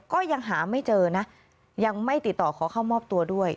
ก็ยังหาไม่เจอนะยังไม่ติดต่อขอเข้ามอบตัวด้วย